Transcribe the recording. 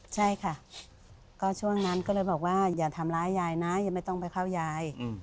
ใช่ค่ะก็ช่วงนั้นก็เลยบอกว่าอย่าทำร้ายยายนะอย่าไม่ต้องไปเข้ายาย